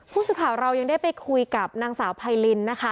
ผู้สื่อข่าวเรายังได้ไปคุยกับนางสาวไพรินนะคะ